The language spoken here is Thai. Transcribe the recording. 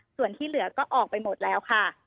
ส่วนที่เหลือก็ออกไปหมดแล้วค่ะ